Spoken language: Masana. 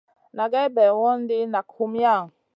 Nʼagai mey wondi nak humiya?